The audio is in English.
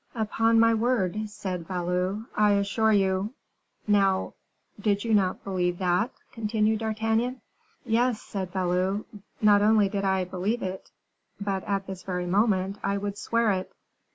"Upon my word," said Valot, "I assure you " "Now, did you not believe that?" continued D'Artagnan. "Yes," said Valot; "not only did I believe it, but, at this very moment, I would swear it."